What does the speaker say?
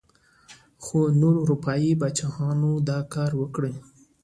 خو نورو اروپايي پاچاهانو دا کار وکړ.